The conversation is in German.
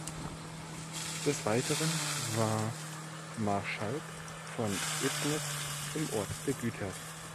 Des Weiteren war Marschalk von Ebnet im Ort begütert.